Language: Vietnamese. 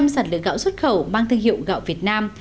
năm sản lượng gạo xuất khẩu mang thương hiệu gạo việt nam